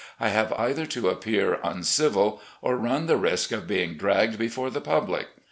I have either to appear uncivil, or run the risk of being dragged before the public.